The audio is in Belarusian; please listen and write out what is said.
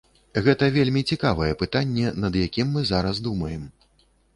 Гэта вельмі цікавае пытанне, над якім мы зараз думаем.